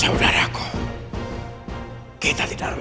udah gak apa apa